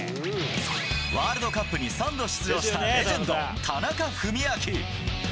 ワールドカップに３度出場したレジェンド、田中史朗。